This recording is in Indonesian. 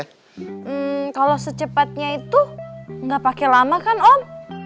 hmm kalau secepatnya itu nggak pakai lama kan om